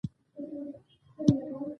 د هغه کوم خصمانه عمل یې هم نه وو لیدلی.